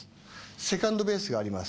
セカンドベースがあります。